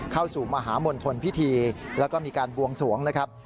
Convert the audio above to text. เข้าสู่มหามณฑลพิธีแล้วก็มีการบวงสวงนะครับ